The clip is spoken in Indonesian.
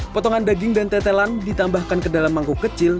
potongan daging dan tetelan ditambahkan ke dalam mangkuk kecil